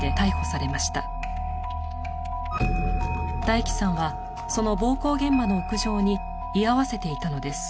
ダイキさんはその暴行現場の屋上に居合わせていたのです。